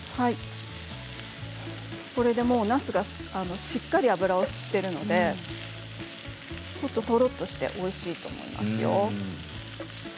これでもう、なすがしっかり油を吸っているのでちょっと、とろっとしておいしいと思いますよ。